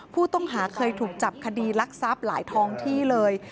ผู้ต้องหาเคยถูกจับคดีรักทรัพย์หลายท้องที่เลย